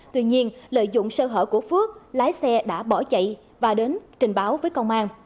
tuy nhiên lợi dụng sơ hở của phước lái xe đã bỏ chạy và đến trình báo với công an